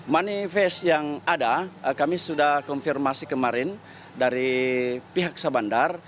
manifest yang ada kami sudah konfirmasi kemarin dari pihak sabandar